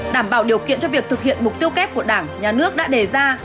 đảm bảo điều kiện cho việc thực hiện mục tiêu kép của đảng nhà nước đã đề ra